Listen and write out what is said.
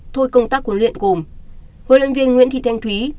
thôi công tác huấn luyện gồm huấn luyện viên nguyễn thị thanh thúy